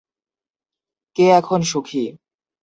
কে এখন সুখী?